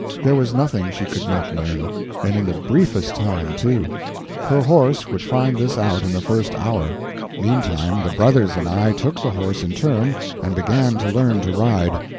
There was nothing she could not learn—and in the briefest time, too. Her horse would find this out in the first hour. Meantime the brothers and I took the horse in turn and began to learn to ride.